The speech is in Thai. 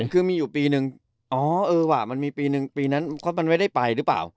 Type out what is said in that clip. คือมีอยู่ปีนึงอ๋อเออว่ะมันมีปีนึงปีนั้นเพราะมันไม่ได้ไปหรือเปล่า